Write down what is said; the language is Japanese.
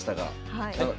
はい。